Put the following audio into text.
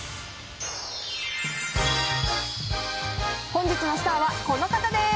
本日のスターはこの方です。